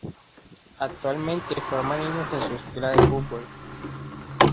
Actualmente forma niños en su Escuela de Fútbol.